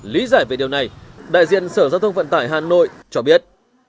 lý giải về điều này đại diện sở giao thông vận tải hà nội cho biết